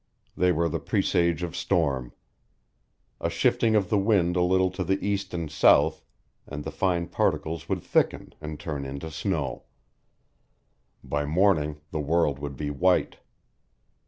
They were the presage of storm. A shifting of the wind a little to the east and south, and the fine particles would thicken, and turn into snow. By morning the world would be white.